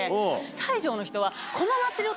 西条の人は。